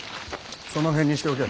その辺にしておけ。